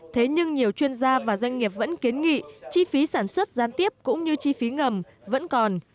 thế nhưng nhiều chuyên gia và doanh nghiệp vẫn kiến nghị chi phí sản xuất gián tiếp cũng như chi phí ngầm vẫn còn